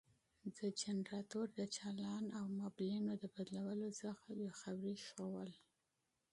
د جنراتور د چالان او مبلينو د بدلولو څخه بې خبري ښوول.